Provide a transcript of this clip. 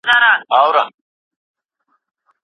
زاړه تمدنونه مړه شوي.